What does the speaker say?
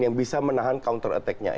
yang bisa menahan counter attack nya